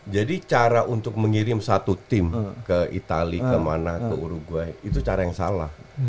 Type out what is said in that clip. jadi cara untuk mengirim satu tim ke itali ke mana ke uruguay itu cara yang salah